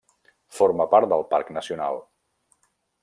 Forma part del parc nacional.